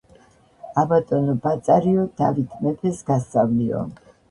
ა, ბატონო ბაწარიო, დავით მეფეს გასწავლიო.